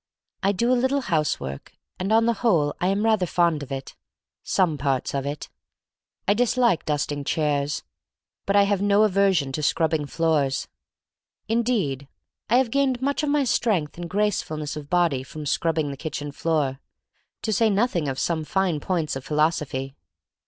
I do a little housework, and on the whole I am rather fond of it — some parts of it. I dislike dusting chairs, but I have no aversion to scrubbing floors. Indeed, I have gained much of my strength and gracefulness of body from scrubbing the kitchen floor — to say nothing of some fine points of philosophy.